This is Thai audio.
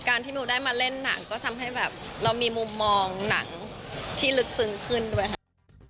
ที่มิวได้มาเล่นหนังก็ทำให้แบบเรามีมุมมองหนังที่ลึกซึ้งขึ้นด้วยค่ะ